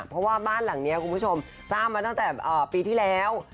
เพราะว่าบ้านหลังนี้คุณผู้ชมสร้างมาตั้งแต่ปีที่แล้ว